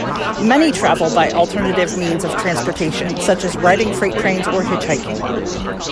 Many travel by alternative means of transportation such as riding freight trains or hitchhiking.